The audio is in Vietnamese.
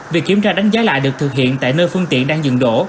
việc kiểm tra đánh giá lại được thực hiện tại nơi phương tiện đang dừng đổ